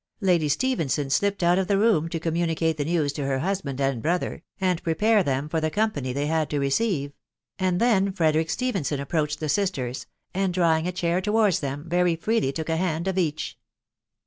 Lady Stephenson slipped out of the room to communicate the news to her hus band and brother, and prepare them for the company they had to receive .... and then Frederick Stephenson approached the sisters, and drawing a chair towards them, very freely took a hand of each.